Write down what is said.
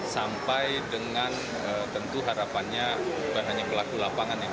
sampai dengan tentu harapannya bukan hanya pelaku lapangan yang